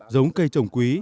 giống cây trồng quý